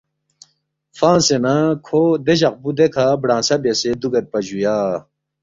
فنگسے نہ کھو دے جقپو دیکھہ برانگسہ بیاسے دُوگیدپا جُویا